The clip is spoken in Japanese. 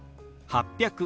８００。